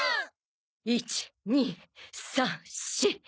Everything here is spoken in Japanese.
１２３４。